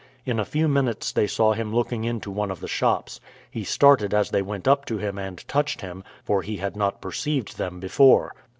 In a few minutes they saw him looking into one of the shops. He started as they went up to him and touched him, for he had not perceived them before.